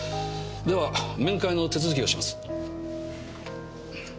では面会の手続きをします。